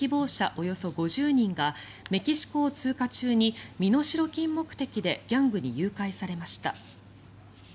およそ５０人がメキシコを通過中に身代金目的でギャングに誘拐されました。